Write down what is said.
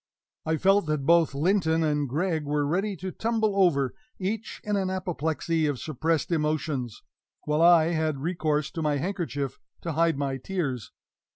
I felt that both Linton and Gregg were ready to tumble over, each in an apoplexy of suppressed emotions; while I had recourse to my handkerchief to hide my tears.